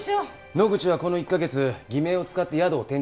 野口はこの１カ月偽名を使って宿を転々としていました。